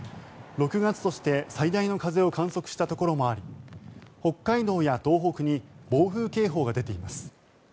６月として最大の風を観測したところもあり北海道や東北に暴風警報が出ています。